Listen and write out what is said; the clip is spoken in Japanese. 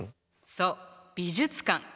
そう美術館。